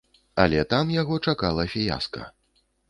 Але там яго чакала фіяска.